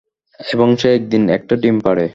এবং সে একদিন একটা ডিম পাড়ে।